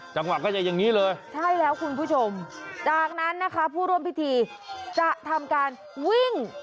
จังหวะก็จะอย่างนี้เลยใช่แล้วคุณผู้ชมจากนั้นนะคะผู้ร่วมพิธีจะทำการวิ่ง